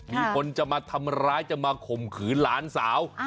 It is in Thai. มีคนจะมาทำร้ายจะมาข่มขืนหลานสาว